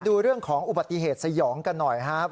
ดูเรื่องของอุบัติเหตุสยองกันหน่อยครับ